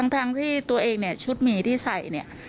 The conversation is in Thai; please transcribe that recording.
ทั้งที่ตัวเองชุดหมีที่ใส่